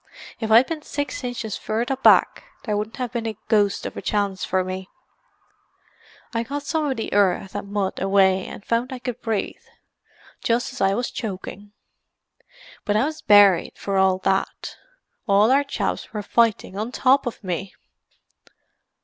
If I'd been six inches further back there wouldn't have been the ghost of a chance for me. I got some of the earth and mud away, and found I could breathe, just as I was choking. But I was buried for all that. All our chaps were fighting on top of me!"